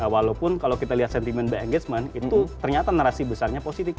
walaupun kalau kita lihat sentimen by engagement itu ternyata narasi besarnya positif